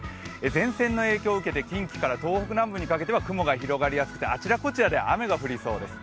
前線の影響を受けて近畿から東北南部にかけては雲が広がりやすくて、あちらこちらで雨が降りそうです。